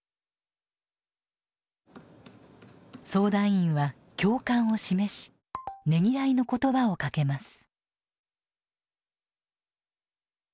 相談員は共感を示しねぎらいの言葉をかけます。